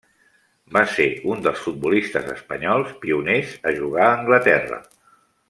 Va ser un dels futbolistes espanyols pioners a jugar a Anglaterra.